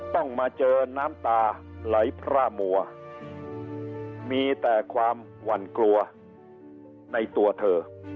ต้องมาเจอน้ำตาไหลพร่ามัวมีแต่ความหวั่นกลัวในตัวเธอ